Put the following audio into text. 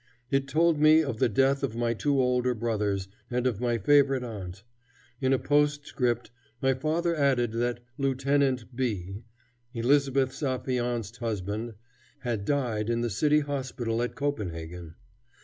It told me of the death of my two older brothers and of my favorite aunt. In a postscript my father added that Lieutenant B , Elizabeth's affianced husband, had died in the city hospital at Copenhagen.